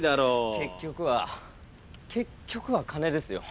結局は結局は金ですよ。